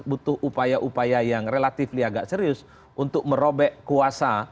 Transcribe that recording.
butuh upaya upaya yang relatif agak serius untuk merobek kuasa